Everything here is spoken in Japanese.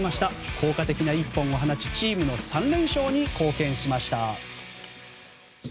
効果的な一本を放ちチームの３連勝に貢献しました。